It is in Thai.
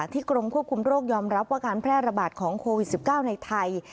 กรมควบคุมโรคยอมรับว่าการแพร่ระบาดของโควิด๑๙ในไทย